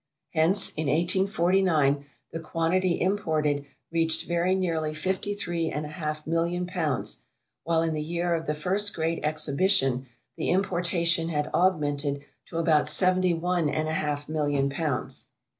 Hence, in 1849, the quantity imported reached very nearly fifty three and a half million pounds, while in the year of the first Great Exhibition, the importation had augmented to about seventy one and a half million pounds.